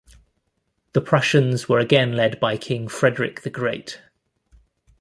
The Prussians were again led by King Frederick the Great.